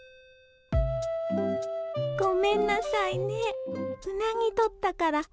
ごめんなさいねうなぎ取ったから食べながら。